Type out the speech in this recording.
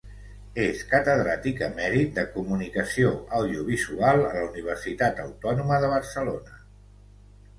És catedràtic emèrit de Comunicació Audiovisual a la Universitat Autònoma de Barcelona.